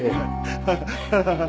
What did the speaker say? ハハハハハ。